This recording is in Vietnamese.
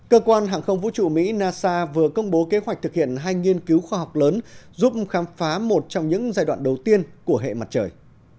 cơ quan hàng không vũ trụ mỹ nasa vừa công bố kế hoạch thực hiện hai nghiên cứu khoa học lớn giúp khám phá một trong những giai đoạn đầu tiên của hệ mặt trời